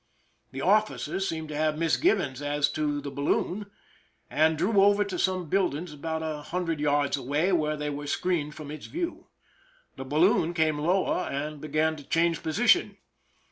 The officers seemed to have misgivings as to the baUoon, and drew over to some buildings about a hundred yards away, where they were screened from its view. The balloon came lower and began to change position.